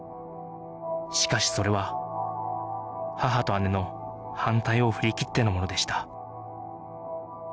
しかしそれは母と姉の反対を振り切ってのものでした